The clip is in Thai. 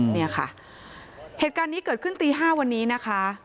เนี่ยค่ะเหตุการณ์นี้เกิดขึ้นตี๕วันนี้นะคะ